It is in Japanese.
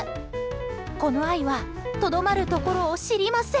この愛はとどまるところを知りません。